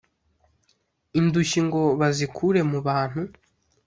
‘indushyi ngo bazikure mu bantu